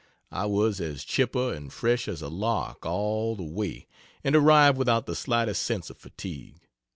I was as chipper and fresh as a lark all the way and arrived without the slightest sense of fatigue.